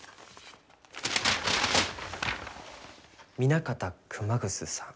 南方熊楠さん。